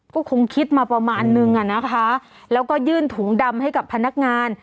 ก็คงคิดมาประมาณนึงอ่ะนะคะแล้วก็ยื่นถุงดำให้กับพนักงาน